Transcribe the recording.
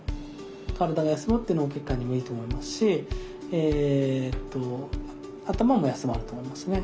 体が休まって脳血管にもいいと思いますし頭も休まると思いますね。